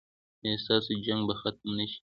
ایا ستاسو جنګ به ختم نه شي؟